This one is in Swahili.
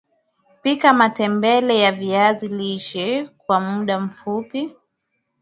Pika matembele ya viazi lishe kwa muda mfupi